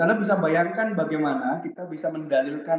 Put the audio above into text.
anda bisa bayangkan bagaimana kita bisa mendalilkan